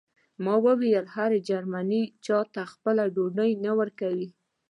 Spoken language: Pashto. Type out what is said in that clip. ما وویل هر جرمنی چاته خپله ډوډۍ نه ورکوي